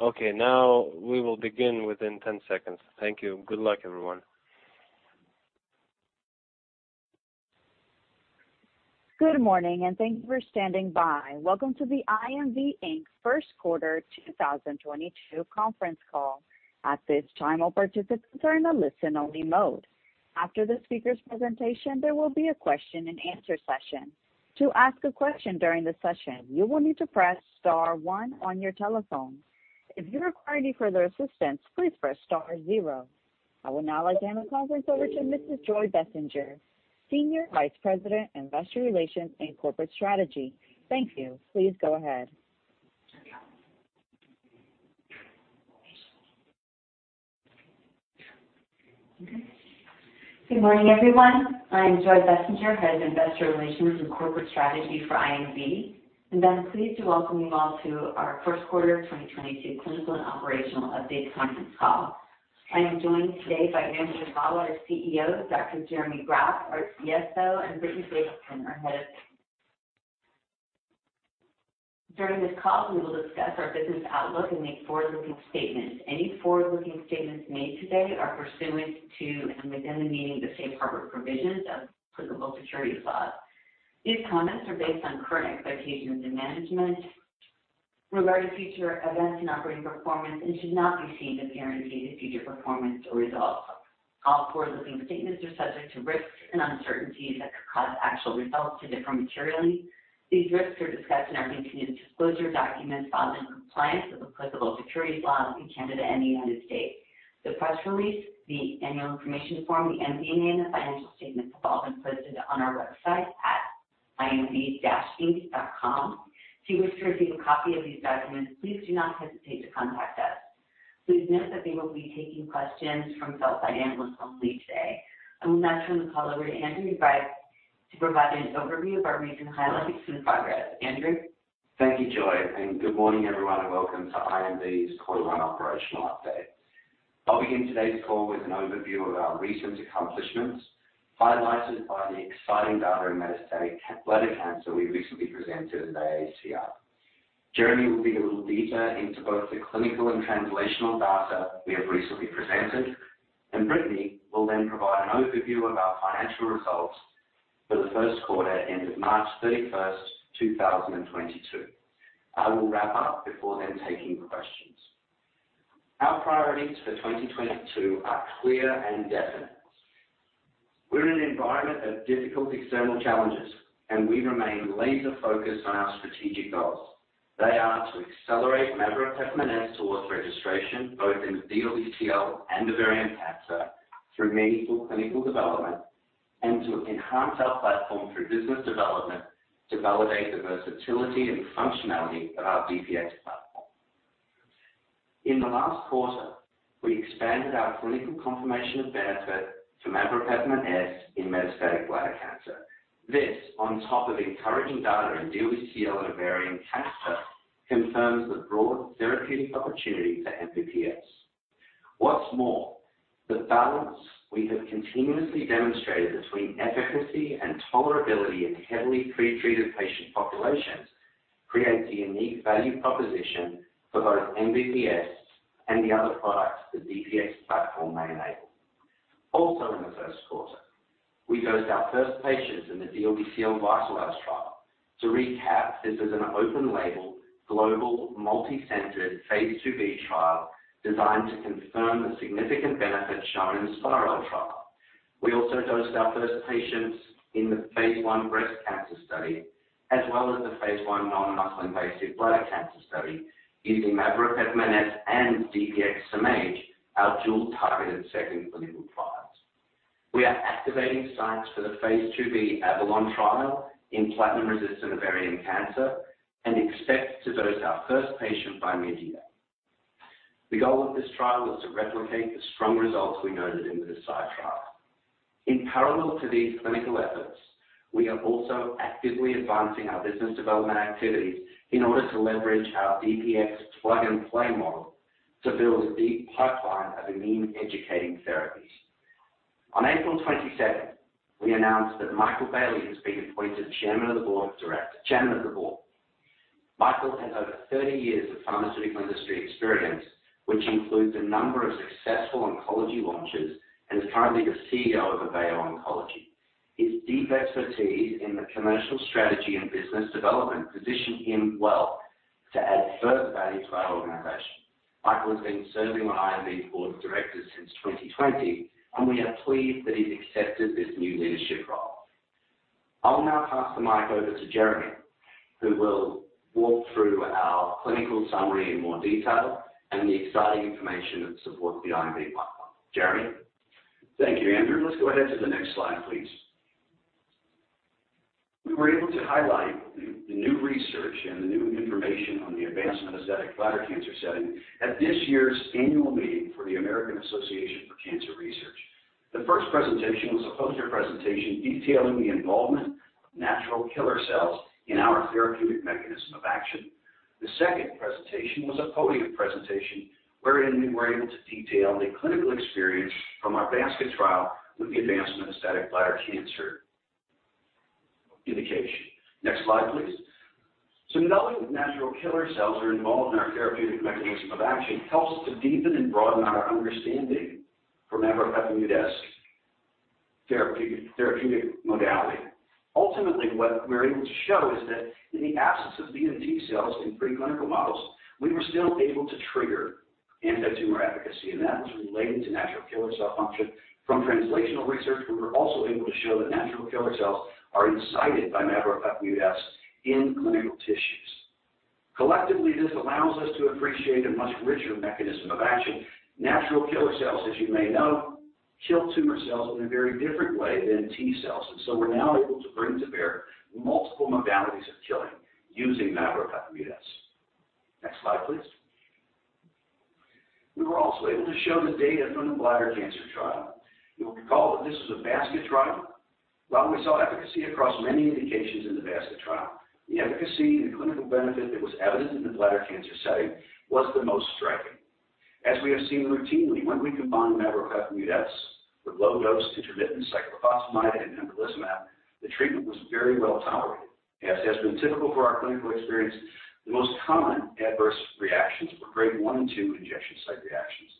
Good morning, and thank you for standing by. Welcome to the IMV Inc. first quarter 2022 conference call. At this time, all participants are in a listen only mode. After the speaker's presentation, there will be a question-and-answer session. To ask a question during the session, you will need to press star one on your telephone. If you require any further assistance, please press star zero. I will now hand the conference over to Mrs. Joy Bessenger, Senior Vice President, Investor Relations and Corporate Strategy. Thank you. Please go ahead. Good morning, everyone. I'm Joy Bessenger, Head of Investor Relations and Corporate Strategy for IMV. I'm pleased to welcome you all to our first quarter 2022 clinical and operational update conference call. I am joined today by Andrew Hall, our CEO, Dr. Jeremy Graff, our CSO, and Brittany Davison. During this call, we will discuss our business outlook and make forward-looking statements. Any forward-looking statements made today are pursuant to and within the meaning of the safe harbor provisions of applicable securities laws. These comments are based on current expectations of management regarding future events and operating performance and should not be seen as guarantees of future performance or results. All forward-looking statements are subject to risks and uncertainties that could cause actual results to differ materially. These risks are discussed in our continuous disclosure documents filed in compliance with applicable securities laws in Canada and the United States. The press release, the annual information form, the MD&A, and the financial statements have all been posted on our website at imv-inc.com. If you wish to receive a copy of these documents, please do not hesitate to contact us. Please note that we will be taking questions from sell-side analysts only today. I will now turn the call over to Andrew to provide an overview of our recent highlights and progress. Andrew. Thank you, Joy, and good morning everyone and welcome to IMV's quarter one operational update. I'll begin today's call with an overview of our recent accomplishments, highlighted by the exciting data in metastatic bladder cancer we recently presented at the AACR. Jeremy will dig a little deeper into both the clinical and translational data we have recently presented, and Brittany will then provide an overview of our financial results for the first quarter ending March 31, 2022. I will wrap up before then taking questions. Our priorities for 2022 are clear and definite. We're in an environment of difficult external challenges, and we remain laser focused on our strategic goals. They are to accelerate maveropepimut-S towards registration, both in the DLBCL and ovarian cancer through meaningful clinical development and to enhance our platform through business development to validate the versatility and functionality of our DPX platform. In the last quarter, we expanded our clinical confirmation of benefit for maveropepimut-S in metastatic bladder cancer. This, on top of encouraging data in DLBCL and ovarian cancer, confirms the broad therapeutic opportunity for MVP-S. What's more, the balance we have continuously demonstrated between efficacy and tolerability in heavily pretreated patient populations creates a unique value proposition for both MVP-S and the other products the DPX platform may enable. Also in the first quarter, we dosed our first patients in the DLBCL VITALIZE trial. To recap, this is an open label, global, multi-centered phase II-B trial designed to confirm the significant benefit shown in the SPiReL trial. We also dosed our first patients in the phase I breast cancer study, as well as the phase I non-muscle invasive bladder cancer study using maveropepimut-S and DPX-SurMAGE, our dual targeted second political trials. We are activating sites for the phase II-B AVALON trial in platinum resistant ovarian cancer and expect to dose our first patient by mid-year. The goal of this trial is to replicate the strong results we noted in the DeCidE trial. In parallel to these clinical efforts, we are also actively advancing our business development activities in order to leverage our DPX plug and play model to build a deep pipeline of immune educating therapies. On April twenty-second, we announced that Michael Bailey has been appointed Chairman of the Board. Michael has over 30 years of pharmaceutical industry experience, which includes a number of successful oncology launches and is currently the CEO of AVEO Oncology. His deep expertise in the commercial strategy and business development position him well to add further value to our organization. Michael has been serving on IMV's board of directors since 2020, and we are pleased that he's accepted this new leadership role. I will now pass the mic over to Jeremy, who will walk through our clinical summary in more detail and the exciting information that supports the IMV platform. Jeremy. Thank you, Andrew. Let's go ahead to the next slide, please. We were able to highlight the new research and the new information on the advanced metastatic bladder cancer setting at this year's annual meeting for the American Association for Cancer Research. The first presentation was a poster presentation detailing the involvement of natural killer cells in our therapeutic mechanism of action. The second presentation was a podium presentation wherein we were able to detail the clinical experience from our basket trial with the advanced metastatic bladder cancer indication. Next slide, please. Knowing that natural killer cells are involved in our therapeutic mechanism of action helps to deepen and broaden our understanding for maveropepimut-S therapeutic modality. Ultimately, what we're able to show is that in the absence of B and T cells in preclinical models, we were still able to trigger antitumor efficacy, and that was related to natural killer cell function. From translational research, we were also able to show that natural killer cells are incited by maveropepimut-S in clinical tissues. Collectively, this allows us to appreciate a much richer mechanism of action. Natural killer cells, as you may know, kill tumor cells in a very different way than T cells, and so we're now able to bring to bear multiple modalities of killing using maveropepimut-S. Next slide, please. We were also able to show the data from the bladder cancer trial. You'll recall that this was a basket trial. While we saw efficacy across many indications in the basket trial, the efficacy and the clinical benefit that was evident in the bladder cancer setting was the most striking. As we have seen routinely, when we combined maveropepimut-S with low-dose intermittent cyclophosphamide and pembrolizumab, the treatment was very well-tolerated. As has been typical for our clinical experience, the most common adverse reactions were grade 1 and 2 injection site reactions.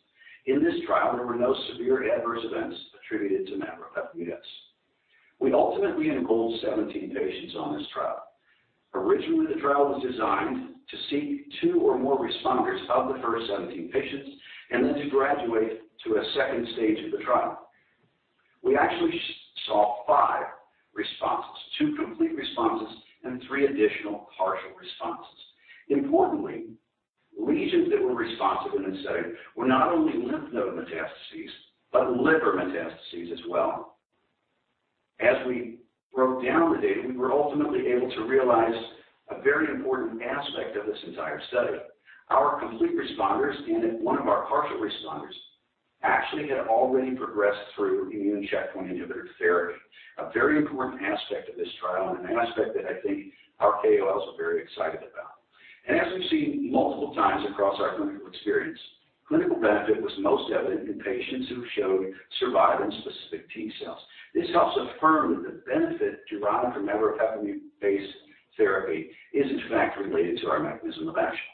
In this trial, there were no severe adverse events attributed to maveropepimut-S. We ultimately enrolled 17 patients on this trial. Originally, the trial was designed to see two or more responders of the first 17 patients and then to graduate to a second stage of the trial. We actually saw five responses, two complete responses and three additional partial responses. Importantly, lesions that were responsive in this setting were not only lymph node metastases, but liver metastases as well. As we broke down the data, we were ultimately able to realize a very important aspect of this entire study. Our complete responders and one of our partial responders actually had already progressed through immune checkpoint inhibitor therapy, a very important aspect of this trial and an aspect that I think our KOLs are very excited about. As we've seen multiple times across our clinical experience, clinical benefit was most evident in patients who showed survivin-specific T cells. This helps affirm that the benefit derived from maveropepimut-based therapy is in fact related to our mechanism of action.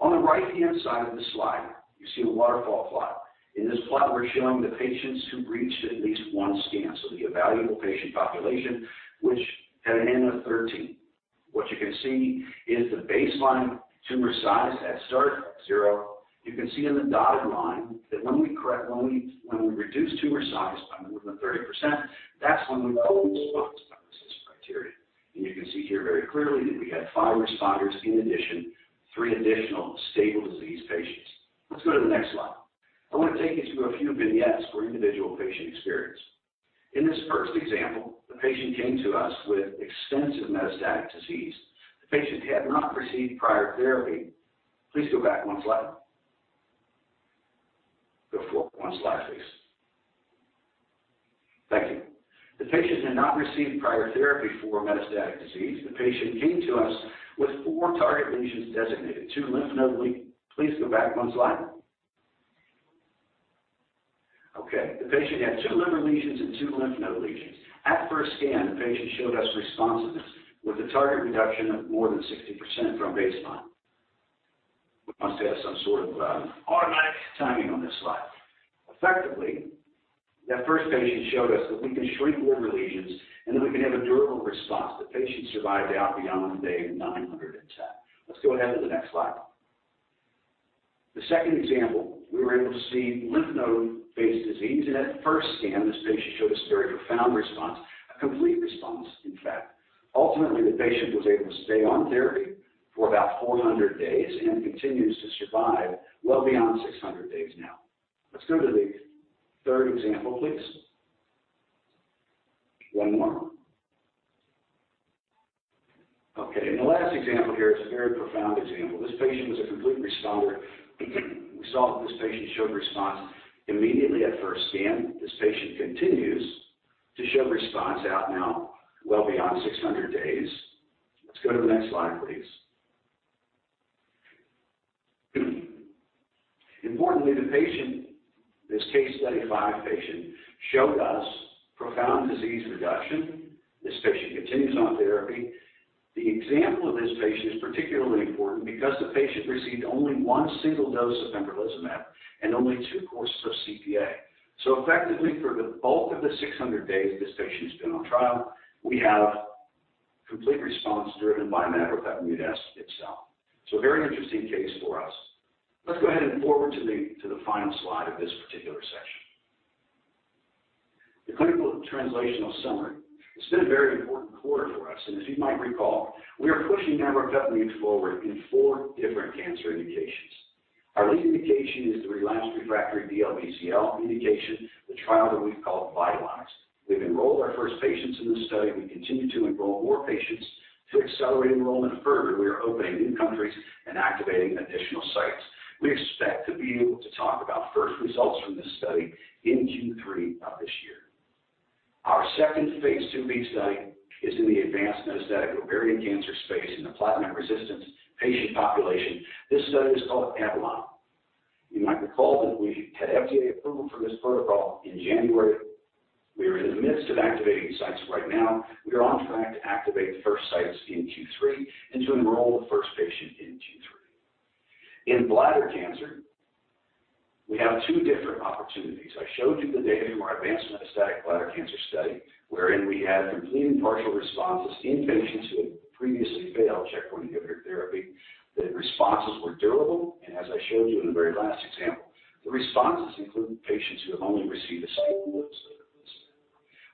On the right-hand side of the slide, you see a waterfall plot. In this plot, we're showing the patients who reached at least one scan, so the evaluable patient population, which had an N of 13. What you can see is the baseline tumor size at start zero. You can see in the dotted line that when we correct... When we reduce tumor size by more than 30%, that's when we call response by RECIST criteria. You can see here very clearly that we had five responders in addition, three additional stable disease patients. Let's go to the next slide. I want to take you through a few vignettes for individual patient experience. In this first example, the patient came to us with extensive metastatic disease. The patient had not received prior therapy. Please go back one slide. Go forward one slide, please. Thank you. The patient had not received prior therapy for metastatic disease. The patient came to us with four target lesions designated, two lymph node. Please go back one slide. Okay. The patient had two liver lesions and two lymph node lesions. At first scan, the patient showed us responsiveness with a target reduction of more than 60% from baseline. We must have some sort of, automatic timing on this slide. Effectively, that first patient showed us that we can shrink liver lesions, and that we can have a durable response. The patient survived out beyond day 910. Let's go ahead to the next slide. The second example, we were able to see lymph node-based disease, and at first scan, this patient showed us very profound response, a complete response, in fact. Ultimately, the patient was able to stay on therapy for about 400 days and continues to survive well beyond 600 days now. Let's go to the third example, please. One more. Okay. The last example here is a very profound example. This patient was a complete responder. We saw that this patient showed response immediately at first scan. This patient continues to show response out now well beyond 600 days. Let's go to the next slide, please. Importantly, the patient, this case study five patient, showed us profound disease reduction. This patient continues on therapy. The example of this patient is particularly important because the patient received only one single dose of pembrolizumab and only two courses of CPA. Effectively, for the bulk of the 600 days this patient's been on trial, we have complete response driven by maveropepimut-S itself. A very interesting case for us. Let's go ahead and forward to the final slide of this particular section. The clinical and translational summary. It's been a very important quarter for us, and as you might recall, we are pushing maveropepimut forward in four different cancer indications. Our lead indication is the relapsed refractory DLBCL indication, the trial that we've called VITALIZE. We've enrolled our first patients in this study. We continue to enroll more patients. To accelerate enrollment further, we are opening new countries and activating additional sites. We expect to be able to talk about first results from this study in Q3 of this year. Our second phase II-B study is in the advanced metastatic ovarian cancer space in the platinum-resistant patient population. This study is called Avalon. You might recall that we had FDA approval for this protocol in January. We are in the midst of activating sites right now. We are on track to activate the first sites in Q3 and to enroll the first patient in Q3. In bladder cancer, we have two different opportunities. I showed you the data in our advanced metastatic bladder cancer study, wherein we had complete and partial responses in patients who had previously failed checkpoint inhibitor therapy. The responses were durable, and as I showed you in the very last example, the responses included patients who have only received a single dose of this.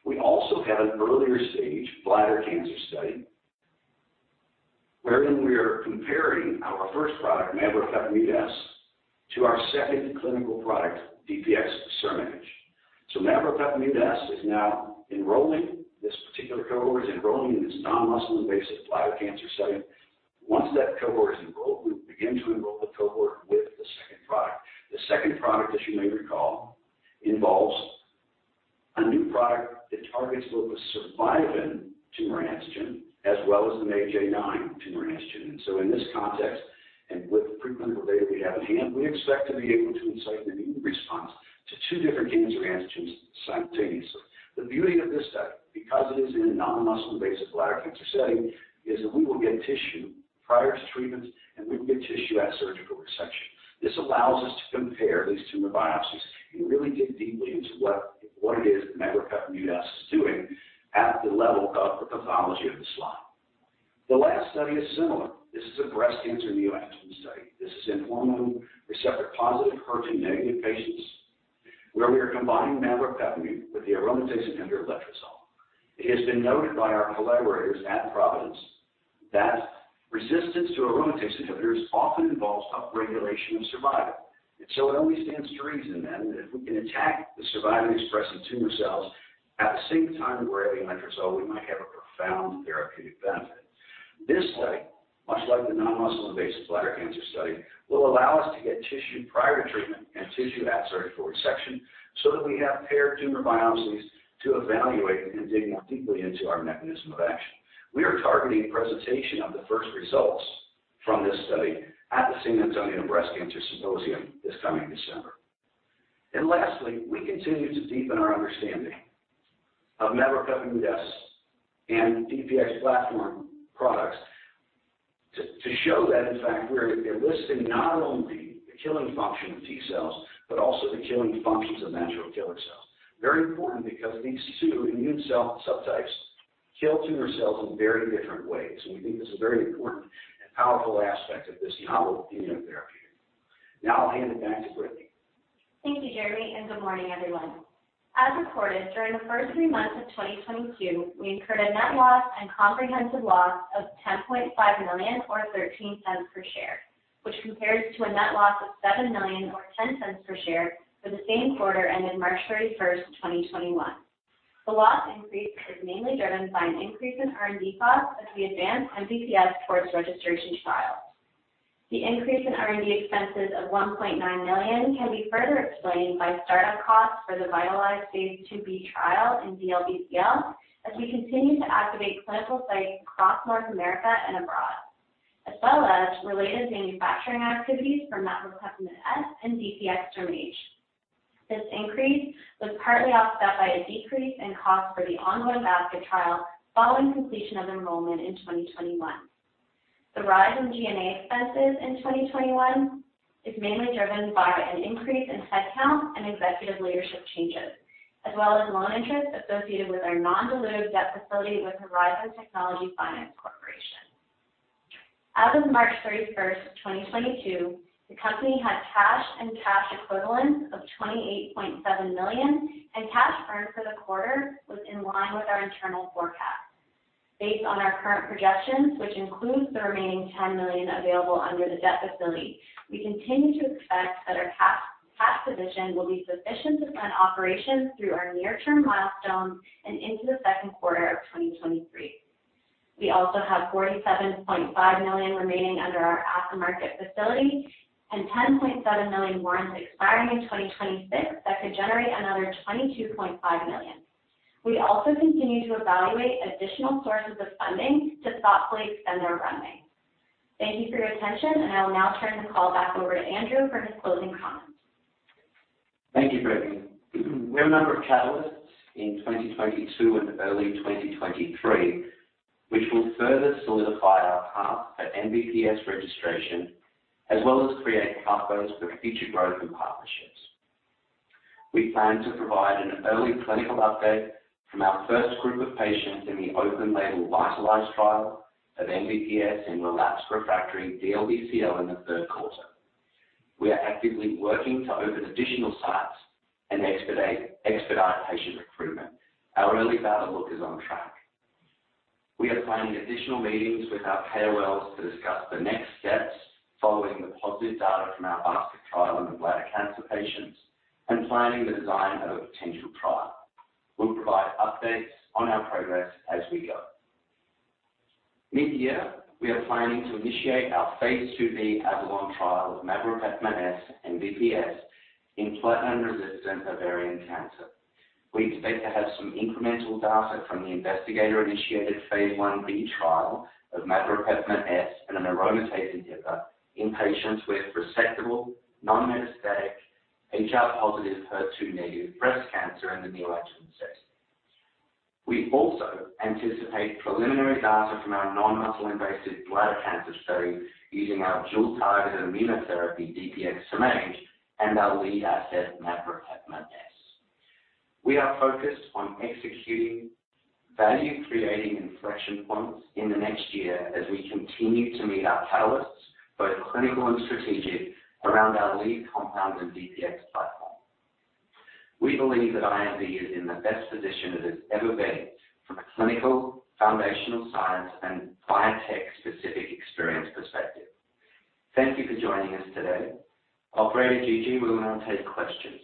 We also had an earlier stage bladder cancer study wherein we are comparing our first product, maveropepimut-S, to our second clinical product, DPX-SurMAGE. Maveropepimut-S is now enrolling. This particular cohort is enrolling in this non-muscle invasive bladder cancer study. Once that cohort is enrolled, we begin to enroll the cohort with the second product. The second product, as you may recall, involves a new product that targets both the survivin tumor antigen as well as the MAGE-A9 tumor antigen. In this context, and with the preclinical data we have in hand, we expect to be able to incite an immune response to two different tumor antigens simultaneously. The beauty of this study, because it is in a non-muscle invasive bladder cancer setting, is that we will get tissue prior to treatment and we will get tissue at surgical resection. This allows us to compare these tumor biopsies and really dig deeply into what it is maveropepimut-S is doing at the level of the pathology of the slide. The last study is similar. This is a breast cancer neoadjuvant study. This is in hormone receptor-positive, HER2-negative patients where we are combining maveropepimut-S with the aromatase inhibitor letrozole. It has been noted by our collaborators at Providence that resistance to aromatase inhibitors often involves upregulation of survivin. It only stands to reason then that if we can attack the survivin-expressing tumor cells at the same time we're adding letrozole, we might have a profound therapeutic benefit. This study, much like the non-muscle invasive bladder cancer study, will allow us to get tissue prior to treatment and tissue at surgical resection so that we have paired tumor biopsies to evaluate and dig more deeply into our mechanism of action. We are targeting presentation of the first results from this study at the San Antonio Breast Cancer Symposium this coming December. Lastly, we continue to deepen our understanding of maveropepimut-S and DPX platform products to show that in fact, we're eliciting not only the killing function of T cells, but also the killing functions of natural killer cells. Very important because these two immune cell subtypes kill tumor cells in very different ways, and we think this is a very important and powerful aspect of this novel immunotherapy. Now I'll hand it back to Brittany. Thank you, Jeremy, and good morning, everyone. As reported, during the first three months of 2022, we incurred a net loss and comprehensive loss of 10.5 million or 0.13 per share, which compares to a net loss of 7 million or 0.10 per share for the same quarter ended March 31, 2021. The loss increase is mainly driven by an increase in R&D costs as we advance MVP-S towards registration trials. The increase in R&D expenses of 1.9 million can be further explained by start-up costs for the VITALIZE phase II-B trial in DLBCL as we continue to activate clinical sites across North America and abroad, as well as related manufacturing activities for maveropepimut-S and DPX-SurMAGE. This increase was partly offset by a decrease in cost for the ongoing basket trial following completion of enrollment in 2021. The rise in G&A expenses in 2021 is mainly driven by an increase in headcount and executive leadership changes, as well as loan interest associated with our non-dilutive debt facility with Horizon Technology Finance Corporation. As of March 31, 2022, the company had cash and cash equivalents of 28.7 million, and cash burn for the quarter was in line with our internal forecast. Based on our current projections, which includes the remaining 10 million available under the debt facility, we continue to expect that our cash position will be sufficient to fund operations through our near-term milestones and into the second quarter of 2023. We also have 47.5 million remaining under our at-the-market facility and 10.7 million warrants expiring in 2026 that could generate another 22.5 million. We also continue to evaluate additional sources of funding to thoughtfully extend our runway. Thank you for your attention, and I will now turn the call back over to Andrew for his closing comments. Thank you, Brittany. We have a number of catalysts in 2022 and early 2023, which will further solidify our path at MVP-S registration, as well as create pathways for future growth and partnerships. We plan to provide an early clinical update from our first group of patients in the open-label VITALIZE trial of MVP-S in relapsed/refractory DLBCL in the third quarter. We are actively working to open additional sites and expedite patient recruitment. Our early data look is on track. We are planning additional meetings with our KOLs to discuss the next steps following the positive data from our basket trial in the bladder cancer patients and planning the design of a potential trial. We'll provide updates on our progress as we go. Mid-year, we are planning to initiate our phase II-B Avalon trial of maveropepimut-S and bevacizumab in platinum-resistant ovarian cancer. We expect to have some incremental data from the investigator-initiated phase I-B trial of maveropepimut-S and an aromatase inhibitor in patients with resectable, non-metastatic, HR-positive, HER2-negative breast cancer in the neoadjuvant setting. We also anticipate preliminary data from our non-muscle invasive bladder cancer study using our dual targeted immunotherapy, DPX-SurMAGE, and our lead asset, maveropepimut-S. We are focused on executing value-creating inflection points in the next year as we continue to meet our catalysts, both clinical and strategic, around our lead compound and DPX platform. We believe that IMV is in the best position it has ever been from a clinical, foundational science, and biotech-specific experience perspective. Thank you for joining us today. Operator Gigi, we will now take questions.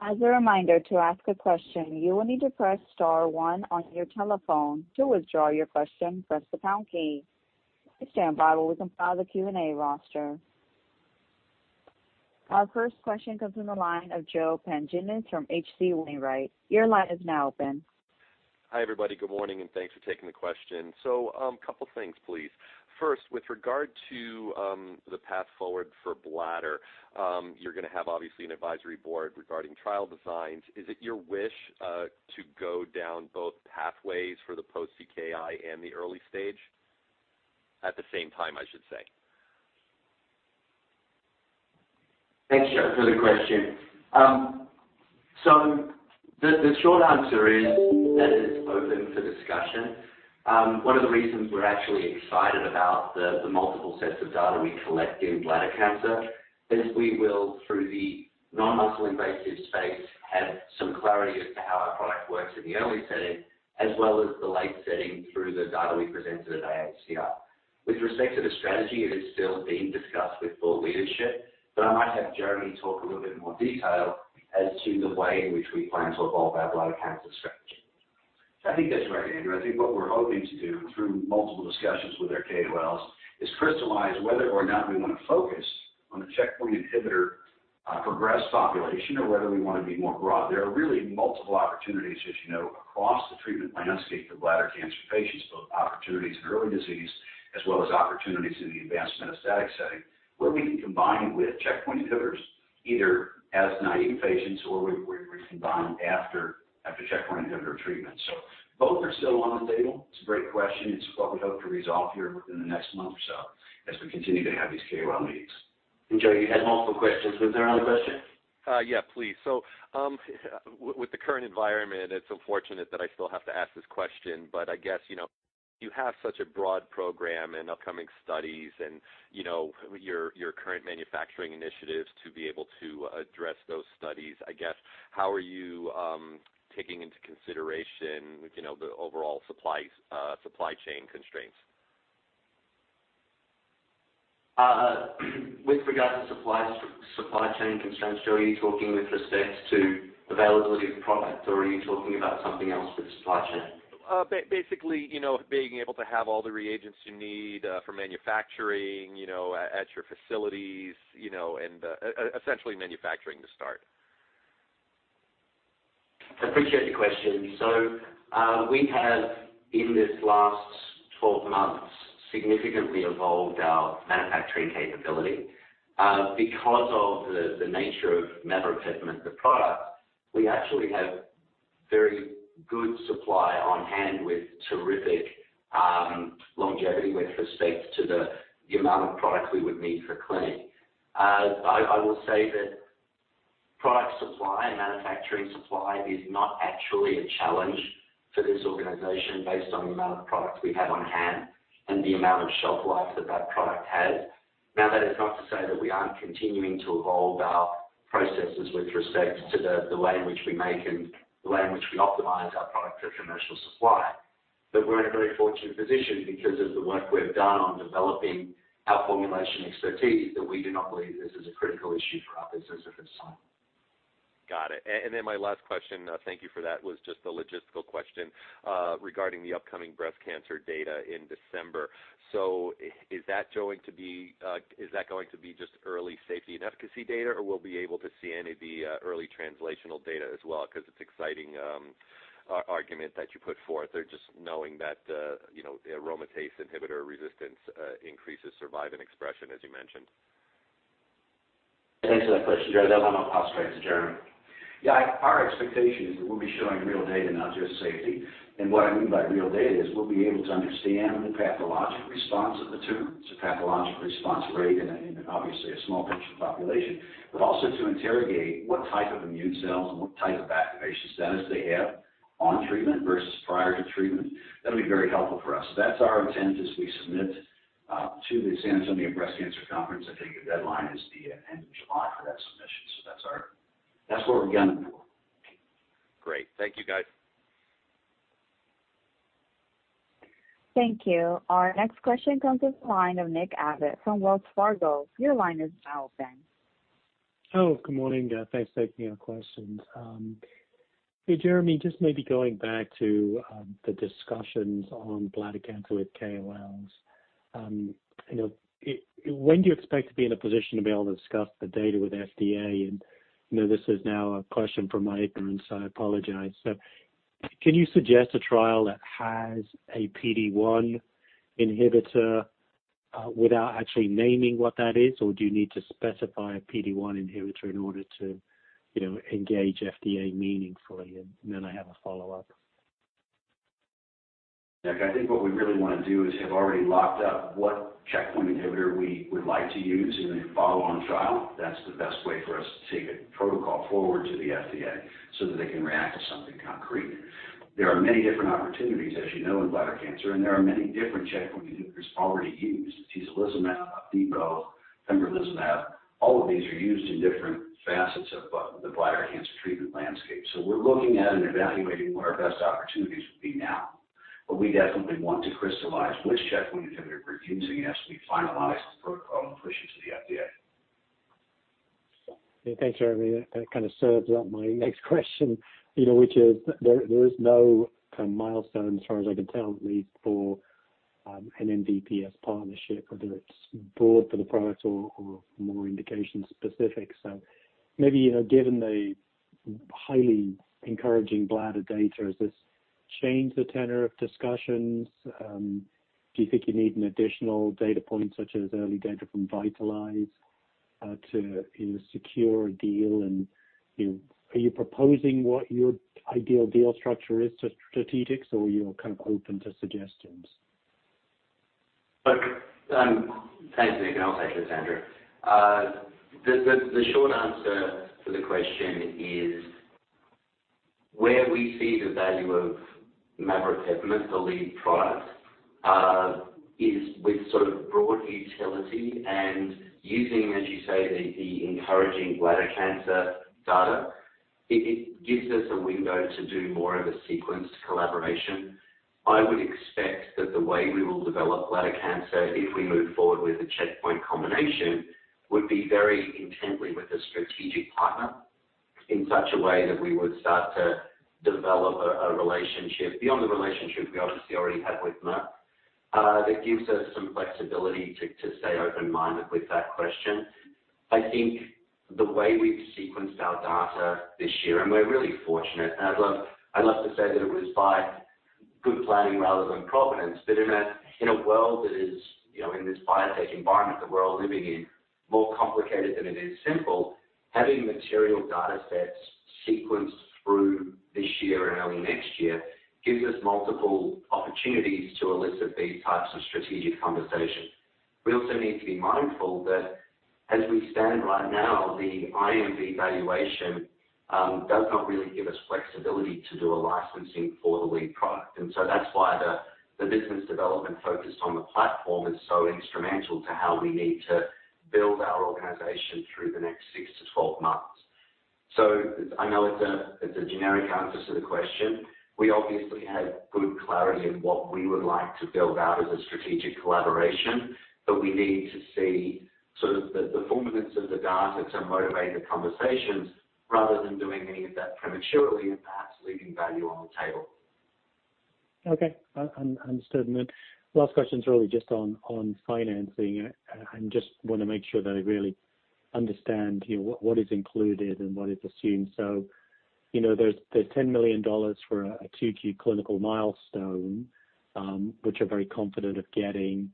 As a reminder, to ask a question, you will need to press star one on your telephone. To withdraw your question, press the pound key. Please stand by while we compile the Q&A roster. Our first question comes from the line of Joseph Pantginis from H.C. Wainwright & Co. Your line is now open. Hi, everybody. Good morning, and thanks for taking the question. Couple things, please. First, with regard to, the path forward for bladder, you're gonna have obviously an advisory board regarding trial designs. Is it your wish, to go down both pathways for the post-CKI and the early stage? At the same time, I should say. Thanks, Joe, for the question. The short answer is that it's open for discussion. One of the reasons we're actually excited about the multiple sets of data we collect in bladder cancer is we will, through the non-muscle invasive space, have some clarity as to how our product works in the early setting as well as the late setting through the data we presented at AACR. With respect to the strategy, it is still being discussed with board leadership, but I might have Jeremy talk a little bit more detail as to the way in which we plan to evolve our bladder cancer strategy. I think that's right, Andrew. I think what we're hoping to do through multiple discussions with our KOLs is crystallize whether or not we wanna focus on the checkpoint inhibitor progressed population or whether we wanna be more broad. There are really multiple opportunities, as you know, across the treatment landscape for bladder cancer patients, both opportunities in early disease as well as opportunities in the advanced metastatic setting, where we can combine with checkpoint inhibitors, either as naive patients or where we combine after checkpoint inhibitor treatment. Both are still on the table. It's a great question. It's what we hope to resolve here within the next month or so as we continue to have these KOL meetings. Joseph, you had multiple questions. Was there another question? Yeah, please. With the current environment, it's unfortunate that I still have to ask this question, but I guess, you know, you have such a broad program and upcoming studies and, you know, your current manufacturing initiatives to be able to address those studies. I guess, how are you taking into consideration, you know, the overall supply chain constraints? With regard to supply chain constraints, Joe, are you talking with respect to availability of product, or are you talking about something else with the supply chain? Basically, you know, being able to have all the reagents you need for manufacturing, you know, at your facilities, you know, and essentially manufacturing to start. Appreciate your question. We have, in this last 12 months, significantly evolved our manufacturing capability. Because of the nature of maveropepimut-S, the product, we actually have very good supply on hand with terrific longevity with respect to the amount of product we would need for clinic. I will say that product supply and manufacturing supply is not actually a challenge for this organization based on the amount of product we have on hand and the amount of shelf life that that product has. Now, that is not to say that we aren't continuing to evolve our processes with respect to the way in which we make and the way in which we optimize our product for commercial supply. We're in a very fortunate position because of the work we've done on developing our formulation expertise that we do not believe this is a critical issue for our business at this time. Got it. And then my last question, thank you for that, was just a logistical question, regarding the upcoming breast cancer data in December. Is that going to be just early safety and efficacy data, or we'll be able to see any of the early translational data as well? 'Cause it's exciting, argument that you put forth there just knowing that, you know, aromatase inhibitor resistance increases survivin expression, as you mentioned. Thanks for that question, Joe. I'll now pass back to Jeremy. Yeah. Our expectation is that we'll be showing real data, not just safety. What I mean by real data is we'll be able to understand the pathologic response of the tumor, so pathologic response rate in obviously a small patient population. Also to interrogate what type of immune cells and what type of activation status they have on treatment versus prior to treatment. That'll be very helpful for us. That's our intent as we submit to the San Antonio Breast Cancer Symposium. I think the deadline is the end of July for that submission. That's what we're gunning for. Great. Thank you, guys. Thank you. Our next question comes from the line of Nick Abbott with Wells Fargo. Your line is now open. Oh, good morning. Thanks for taking our questions. Hey, Jeremy, just maybe going back to the discussions on bladder cancer with KOLs. You know, when do you expect to be in a position to be able to discuss the data with FDA? I know this is now a question for Mike, so I apologize. Can you suggest a trial that has a PD-1 inhibitor without actually naming what that is? Or do you need to specify a PD-1 inhibitor in order to, you know, engage FDA meaningfully? I have a follow-up. Nick, I think what we really wanna do is have already locked up what checkpoint inhibitor we would like to use in a follow-on trial. That's the best way for us to take a protocol forward to the FDA so that they can react to something concrete. There are many different opportunities, as you know, in bladder cancer, and there are many different checkpoint inhibitors already used. Tislelizumab, Opdivo, pembrolizumab, all of these are used in different facets of the bladder cancer treatment landscape. We're looking at and evaluating what our best opportunities would be now. We definitely want to crystallize which checkpoint inhibitor we're using as we finalize the protocol and push it to the FDA. Thanks, Jeremy. That kind of serves up my next question, you know, which is there is no kind of milestone, as far as I can tell, at least for an MVP-S partnership, whether it's broad for the product or more indication specific. Maybe, you know, given the highly encouraging bladder data, has this changed the tenor of discussions? Do you think you need an additional data point, such as early data from VITALIZE, to secure a deal? Are you proposing what your ideal deal structure is to strategics, or you're kind of open to suggestions? Look, thanks, Nick, and I'll take this it's Andrew. The short answer to the question is where we see the value of maveropepimut-S, the lead product, is with sort of broad utility and using, as you say, the encouraging bladder cancer data. It gives us a window to do more of a sequenced collaboration. I would expect that the way we will develop bladder cancer, if we move forward with a checkpoint combination, would be very intently with a strategic partner in such a way that we would start to develop a relationship beyond the relationship we obviously already have with Merck, that gives us some flexibility to stay open-minded with that question. I think the way we've sequenced our data this year, and we're really fortunate, and I'd love to say that it was by good planning rather than providence. In a world that is, you know, in this biotech environment that we're all living in, more complicated than it is simple, having material data sets sequenced through this year and early next year gives us multiple opportunities to elicit these types of strategic conversations. We also need to be mindful that as we stand right now, the IMV valuation does not really give us flexibility to do a licensing for the lead product. That's why the business development focus on the platform is so instrumental to how we need to build our organization through the next 6-12 months. I know it's a generic answer to the question. We obviously have good clarity in what we would like to build out as a strategic collaboration, but we need to see sort of the fullness of the data to motivate the conversations rather than doing any of that prematurely and perhaps leaving value on the table. Understood. Last question is really just on financing. I just wanna make sure that I really understand here what is included and what is assumed. You know, there's $10 million for a 2Q clinical milestone, which you're very confident of getting.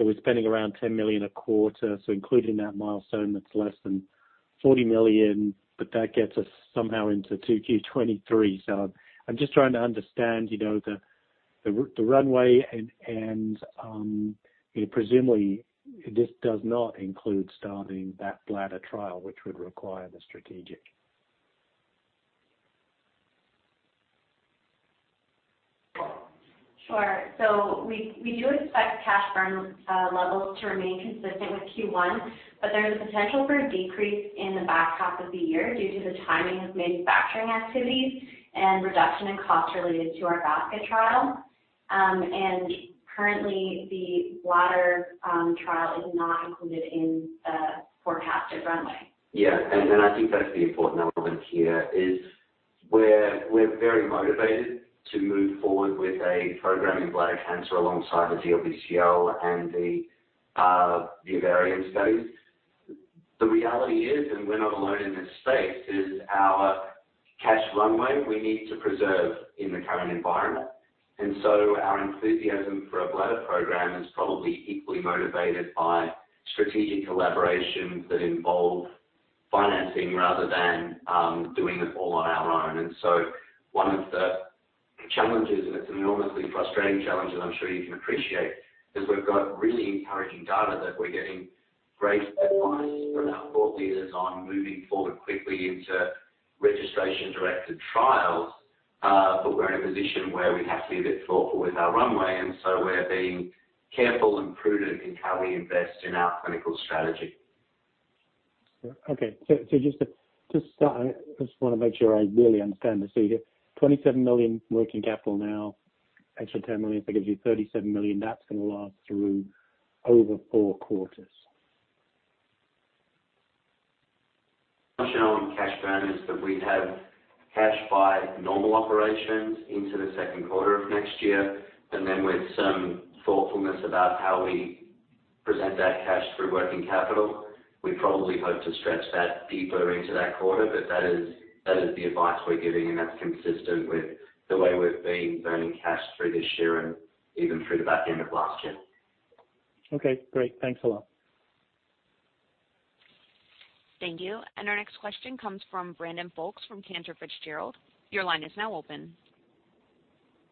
We're spending around $10 million a quarter, so including that milestone, that's less than $40 million, but that gets us somehow into 2Q 2023. I'm just trying to understand, you know, the runway and presumably this does not include starting that bladder trial, which would require the strategic. Sure. We do expect cash burn levels to remain consistent with Q1, but there is a potential for a decrease in the back half of the year due to the timing of manufacturing activities and reduction in costs related to our basket trial. Currently the bladder trial is not included in the forecasted runway. Yeah. I think that's the important element here, is we're very motivated to move forward with a program in bladder cancer alongside the DLBCL and the ovarian studies. The reality is, and we're not alone in this space, is our cash runway we need to preserve in the current environment. Our enthusiasm for a bladder program is probably equally motivated by strategic collaborations that involve financing rather than doing this all on our own. One of the challenges, and it's an enormously frustrating challenge, and I'm sure you can appreciate, is we've got really encouraging data that we're getting great advice from our thought leaders on moving forward quickly into registration-directed trials. We're in a position where we have to be a bit thoughtful with our runway, and so we're being careful and prudent in how we invest in our clinical strategy. I just wanna make sure I really understand this. You get 27 million working capital now, extra 10 million, that gives you 37 million. That's gonna last through over 4 quarters. Guidance on cash burn is that we have cash by normal operations into the second quarter of next year, and then with some thoughtfulness about how we present that cash through working capital, we probably hope to stretch that deeper into that quarter. That is the advice we're giving, and that's consistent with the way we've been burning cash through this year and even through the back end of last year. Okay, great. Thanks a lot. Thank you. Our next question comes from Brandon Folkes from Cantor Fitzgerald. Your line is now open.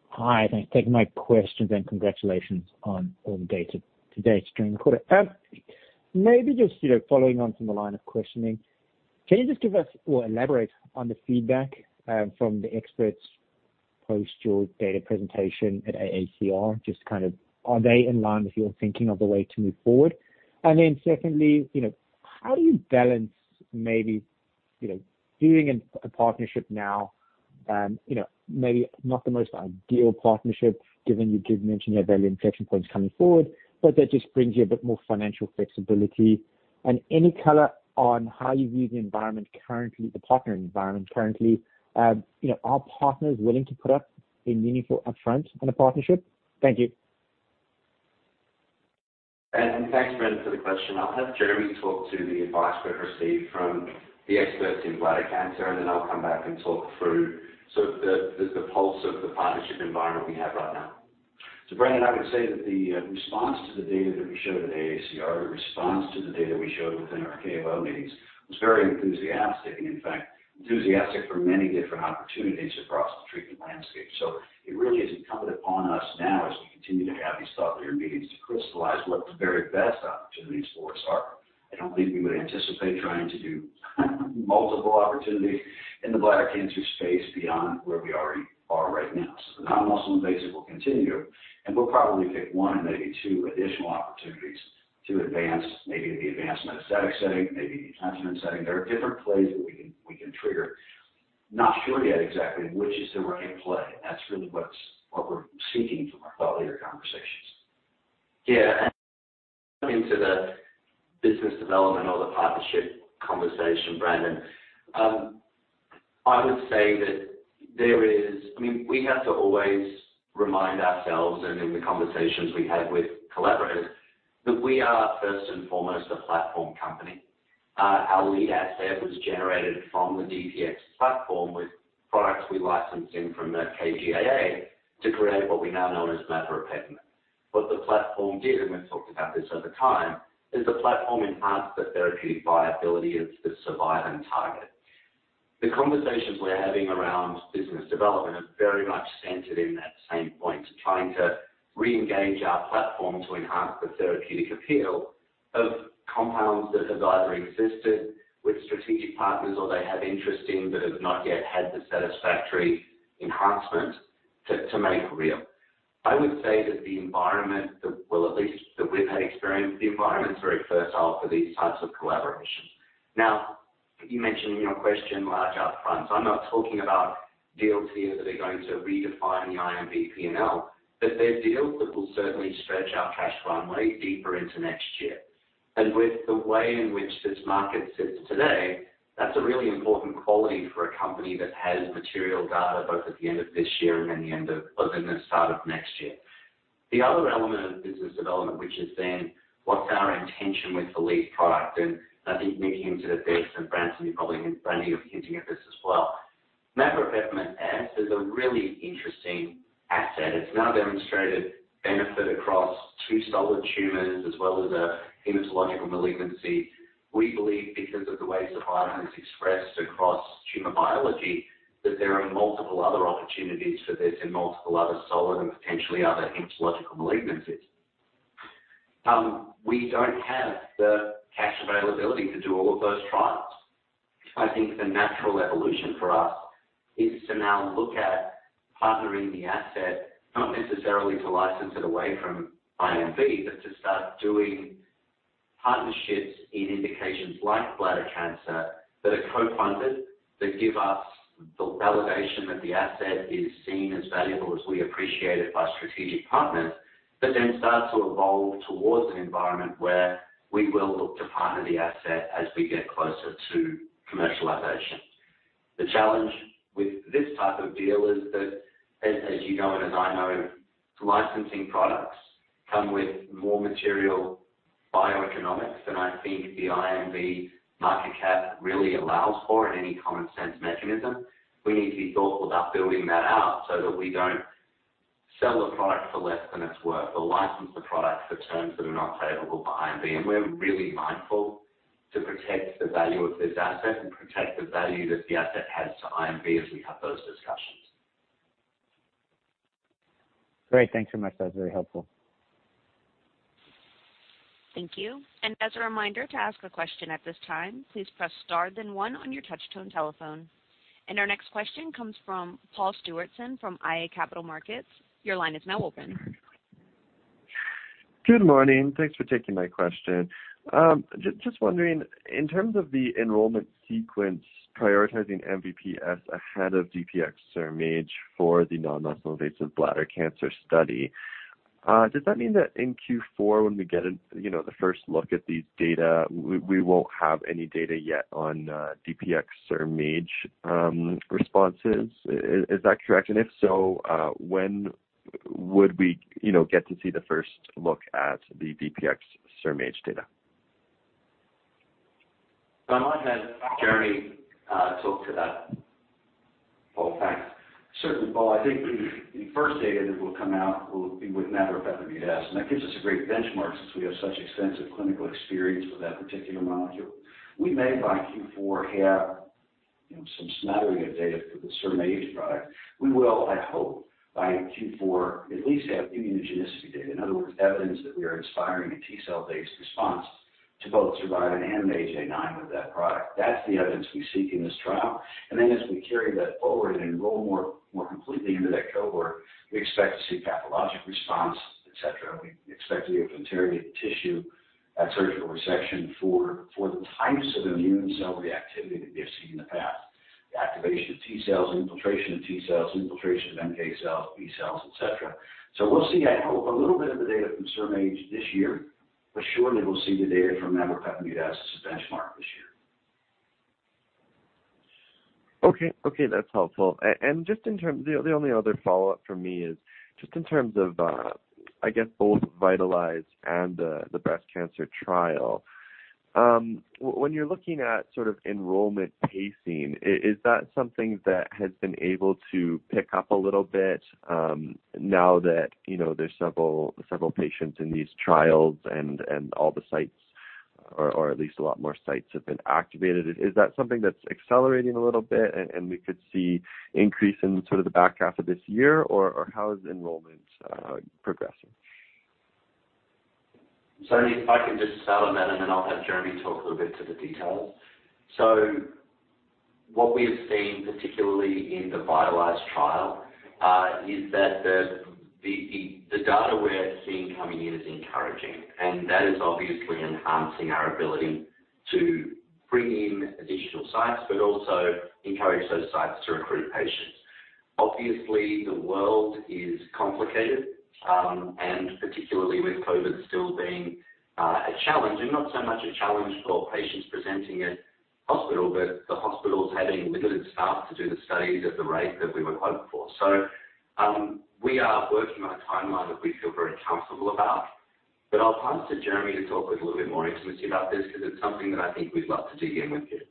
Hi. Thanks for taking my questions and congratulations on all the data to date during the quarter. Maybe just, you know, following on from the line of questioning, can you just give us or elaborate on the feedback from the experts post your data presentation at AACR? Just kind of, are they in line with your thinking of the way to move forward? And then secondly, you know, how do you balance maybe, you know, doing a partnership now, you know, maybe not the most ideal partnership given you did mention you have value inflection points coming forward, but that just brings you a bit more financial flexibility. And any color on how you view the environment currently, the partnering environment currently. You know, are partners willing to put up a meaningful upfront on a partnership? Thank you. Thanks, Brandon, for the question. I'll have Jeremy talk to the advice we've received from the experts in bladder cancer, and then I'll come back and talk through sort of the pulse of the partnership environment we have right now. Brandon, I would say that the response to the data that we showed at AACR, the response to the data we showed within our KOL meetings was very enthusiastic and in fact enthusiastic for many different opportunities across the treatment landscape. It really is incumbent upon us now as we continue to have these thought leader meetings to crystallize what the very best opportunities for us are. I don't think we would anticipate trying to do multiple opportunities in the bladder cancer space beyond where we already are right now. The non-muscle invasive will continue, and we'll probably pick one and maybe two additional opportunities to advance, maybe in the advanced metastatic setting, maybe in the catchment setting. There are different plays that we can trigger. Not sure yet exactly which is the right play. That's really what we're seeking from our thought leader conversations. Yeah. Into the business development or the partnership conversation, Brandon, I would say that there is. I mean, we have to always remind ourselves and in the conversations we have with collaborators that we are first and foremost a platform company. Our lead asset was generated from the DPX platform with products we licensed in from KGaA to create what we now know as maveropepimut-S. What the platform did, and we've talked about this over time, is the platform enhanced the therapeutic viability of the survivin target. The conversations we're having around business development are very much centered in that same point, trying to reengage our platform to enhance the therapeutic appeal of compounds that have either existed with strategic partners or they have interest in but have not yet had the satisfactory enhancement to make real. I would say that the environment that. Well, at least that we've had experience, the environment's very fertile for these types of collaborations. Now, you mentioned in your question large up fronts. I'm not talking about deals here that are going to redefine the IMV P&L, but they're deals that will certainly stretch our cash runway deeper into next year. With the way in which this market sits today, that's a really important quality for a company that has material data both at the end of this year and then the end of or the start of next year. The other element of business development, which is then what's our intention with the lead product, and I think Nick hinted at this and Brandon, you probably, Brandon, you're hinting at this as well. Maveropepimut-S is a really interesting asset. It's now demonstrated benefit across two solid tumors as well as a hematological malignancy. We believe because of the way survivin is expressed across tumor biology, that there are multiple other opportunities for this in multiple other solid and potentially other hematological malignancies. We don't have the cash availability to do all of those trials. I think the natural evolution for us is to now look at partnering the asset, not necessarily to license it away from IMV, but to start doing partnerships in indications like bladder cancer that are co-funded, that give us the validation that the asset is seen as valuable as we appreciate it by strategic partners, but then start to evolve towards an environment where we will look to partner the asset as we get closer to commercialization. The challenge with this type of deal is that as you know it and I know, licensing products come with more material bioeconomics than I think the IMV market cap really allows for in any common sense mechanism. We need to be thoughtful about building that out so that we don't sell the product for less than it's worth or license the product for terms that are not favorable for IMV. We're really mindful to protect the value of this asset and protect the value that the asset has to IMV as we have those discussions. Great. Thanks so much. That was very helpful. Thank you. As a reminder to ask a question at this time, please press star then one on your touchtone telephone. Our next question comes from Paul Stewardson from iA Capital Markets. Your line is now open. Good morning. Thanks for taking my question. Just wondering, in terms of the enrollment sequence prioritizing MVP-S ahead of DPX-SurMAGE for the non-muscle invasive bladder cancer study, does that mean that in Q4 when we get in, you know, the first look at these data, we won't have any data yet on DPX-SurMAGE responses. Is that correct? If so, when would we, you know, get to see the first look at the DPX-SurMAGE data? I'm gonna have Jeremy talk to that. Paul, thanks. Certainly, Paul. I think the first data that will come out will be with maveropepimut-S, and that gives us a great benchmark since we have such extensive clinical experience with that particular molecule. We may by Q4 have, you know, some smattering of data for the SurMAGE product. We will, I hope by Q4 at least have immunogenicity data. In other words, evidence that we are inspiring a T cell based response to both survivin and MAGE-A9 with that product. That's the evidence we seek in this trial. As we carry that forward and enroll more completely into that cohort, we expect to see pathologic response, et cetera. We expect to be able to interrogate the tissue at surgical resection for the types of immune cell reactivity that we have seen in the past. The activation of T cells, infiltration of T cells, infiltration of NK cells, B cells, et cetera. We'll see, I hope a little bit of the data from SurMAGE this year, but surely we'll see the data from maveropepimut-S as a benchmark this year. Okay. Okay, that's helpful. The only other follow-up for me is just in terms of, I guess both VITALIZE and the breast cancer trial. When you're looking at sort of enrollment pacing, is that something that has been able to pick up a little bit, now that you know, there's several patients in these trials and all the sites or at least a lot more sites have been activated. Is that something that's accelerating a little bit and we could see increase in sort of the back half of this year? Or how is enrollment progressing? If I can just start on that and then I'll have Jeremy talk a little bit to the details. What we have seen, particularly in the VITALIZE trial, is that the data we're seeing coming in is encouraging and that is obviously enhancing our ability to bring in additional sites, but also encourage those sites to recruit patients. Obviously, the world is complicated, and particularly with COVID still being a challenge and not so much a challenge for patients presenting at hospital, but the hospitals having limited staff to do the studies at the rate that we would hope for. We are working on a timeline that we feel very comfortable about. I'll pass to Jeremy to talk with a little bit more intimacy about this because it's something that I think we'd love to dig in with you.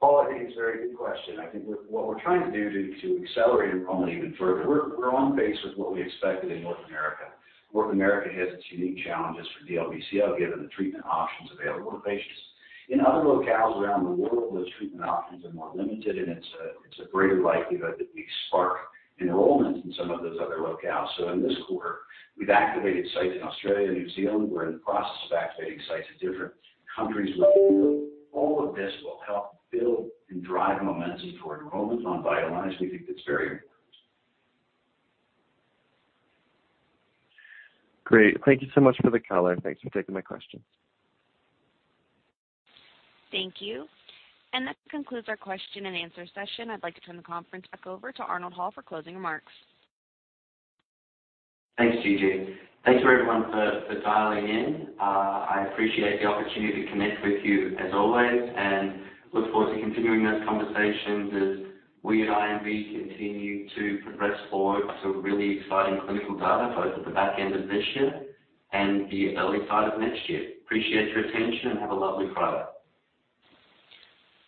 Paul, I think it's a very good question. I think what we're trying to do to accelerate enrollment even further, we're on pace with what we expected in North America. North America has its unique challenges for DLBCL, given the treatment options available to patients. In other locales around the world, those treatment options are more limited and it's a greater likelihood that we spark enrollment in some of those other locales. In this quarter we've activated sites in Australia and New Zealand. We're in the process of activating sites in different countries in the EU. All of this will help build and drive momentum for enrollment on VITALIZE. We think it's very important. Great. Thank you so much for the color. Thanks for taking my question. Thank you. That concludes our question-and-answer session. I'd like to turn the conference back over to Andrew Hall for closing remarks. Thanks, Gigi. Thanks to everyone for dialing in. I appreciate the opportunity to connect with you as always, and look forward to continuing those conversations as we at IMV continue to progress forward to really exciting clinical data both at the back end of this year and the early side of next year. Appreciate your attention and have a lovely Friday.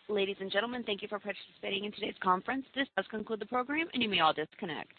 Ladies and gentlemen, thank you for participating in today's conference. This does conclude the program and you may all disconnect.